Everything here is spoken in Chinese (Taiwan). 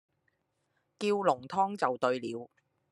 叫濃湯就對了